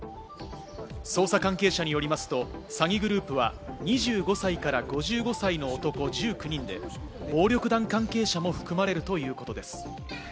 捜査関係者によりますと、詐欺グループは２５歳から５５歳の男１９人で、暴力団関係者も含まれるということです。